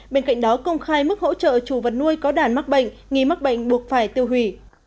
bên cạnh đó công khai mức hỗ trợ chủ vật nuôi có đàn mắc bệnh nghi mắc bệnh buộc phải tiêu hủy